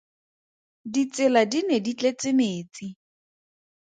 Ditsela di ne di tletse metsi.